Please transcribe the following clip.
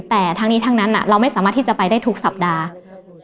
แต่ทั้งนี้ทั้งนั้นเราไม่สามารถที่จะไปได้ทุกสัปดาห์